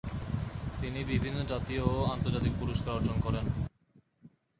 তিনি বিভিন্ন জাতীয় ও আন্তর্জাতিক পুরস্কার অর্জন করেন।